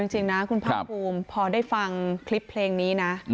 จริงนะคุณภาคภูมิพอได้ฟังคลิปเพลงนี้นะ